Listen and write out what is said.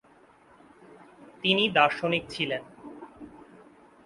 তিনি দার্শনিক ছিলেন।